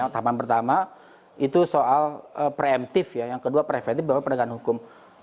tahapan pertama itu soal preemptif ya yang kedua preventif bahwa penegakan hukum